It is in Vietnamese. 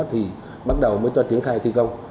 thì bắt đầu mới cho triển khai thi công